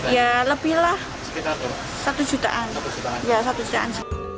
ya lebih lah satu jutaan